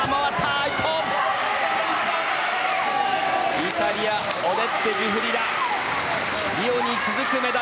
イタリアのオデッテ・ジュフリダ。